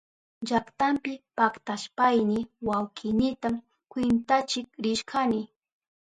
Llaktanpi paktashpayni wawkiynita kwintachik rishkani.